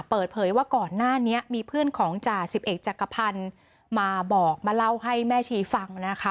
เปิดเผยว่าก่อนหน้านี้มีเพื่อนของจ่าสิบเอกจักรพันธ์มาบอกมาเล่าให้แม่ชีฟังนะคะ